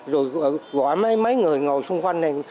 rồi gọi mấy người ngồi xung quanh này